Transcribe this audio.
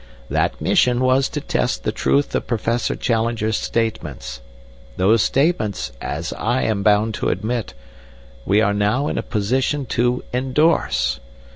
That mission was to test the truth of Professor Challenger's statements. Those statements, as I am bound to admit, we are now in a position to endorse.